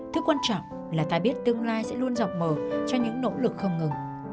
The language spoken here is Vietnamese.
thứ quan trọng là ta biết tương lai sẽ luôn dọc bờ cho những nỗ lực không ngừng